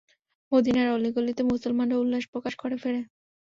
মদীনার অলি-গলিতে মুসলমানরা উল্লাস প্রকাশ করে ফেরে।